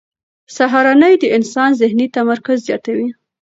سهارنۍ د انسان ذهني تمرکز زیاتوي.